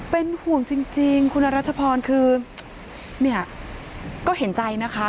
เป็นห่วงจริงคุณรัชพรคือเนี่ยก็เห็นใจนะคะ